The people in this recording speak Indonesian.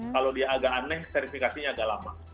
kalau dia agak aneh verifikasinya agak lama